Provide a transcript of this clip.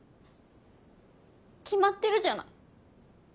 決まってるじゃない。